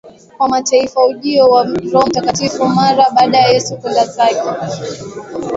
kwa Mataifa Ujio wa Roho Mtakatifu Mara baada ya Yesu kwenda zake